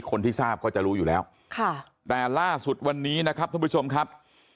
คนที่ทราบก็จะรู้อยู่แล้วค่ะแต่ล่าสุดวันนี้นะครับท่านผู้ชมครับ